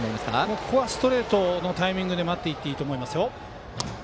ここはストレートのタイミングで待っていていいと思いますよ。